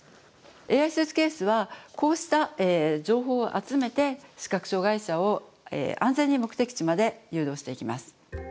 ＡＩスーツケースはこうした情報を集めて視覚障害者を安全に目的地まで誘導していきます。